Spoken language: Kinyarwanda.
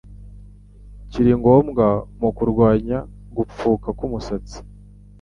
kiri ngombwa mu kurwanya gupfuka k'umusatsi.